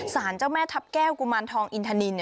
สารเจ้าแม่ทัพแก้วกุมารทองอินทนิน